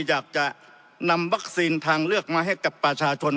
อยากจะนำวัคซีนทางเลือกมาให้กับประชาชน